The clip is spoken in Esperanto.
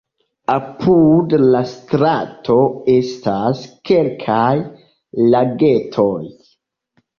Apud la strato estas kelkaj lagetoj.